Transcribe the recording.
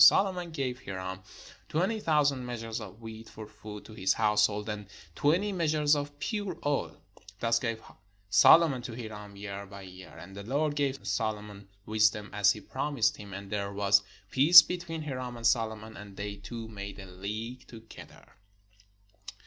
And Solomon gave Hiram twenty thousand measures of wheat for food to his household, and twenty measures of pure oil: thus gave Solomon to Hiram year by year. And the Lord gave Solomon wisdom, as he promised him: and there was peace between Hiram and Solomon ; and they two made a league together.